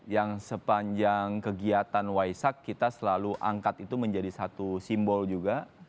yang sepanjang kegiatan waisak kita selalu angkat itu menjadi satu simbol juga